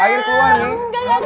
air keluar nih